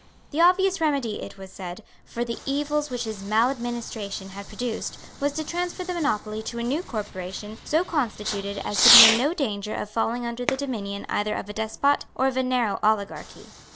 The obvious remedy, it was said, for the evils which his maladministration had produced was to transfer the monopoly to a new corporation so constituted as to be in no danger of falling under the dominion either of a despot or of a narrow oligarchy.